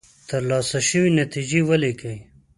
ترلاسه شوې نتیجې ولیکئ.